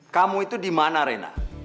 kamu itu di mana rena